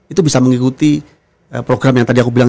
itu bisa mengikuti program yang tadi aku bilang